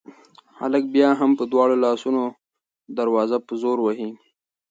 هلک بیا هم په دواړو لاسونو دروازه په زور وهي.